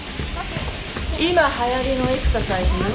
今流行りのエクササイズよ。